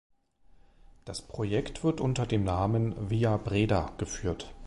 Das Projekt wird unter dem Namen "Via Breda" geführt.